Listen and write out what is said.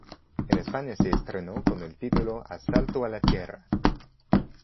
En España se estrenó con el título Asalto a la Tierra.